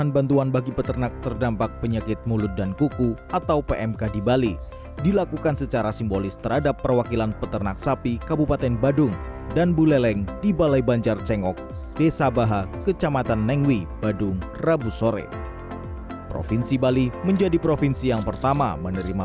bantuan ini sebagai bentuk mengurangi kerugian terhadap hewan yang lakukan pengotongan bersyarat untuk mencegah penyebaran wabah pmk